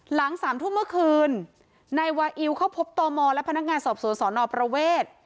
สามทุ่มเมื่อคืนนายวาอิวเข้าพบตมและพนักงานสอบสวนสอนอประเวท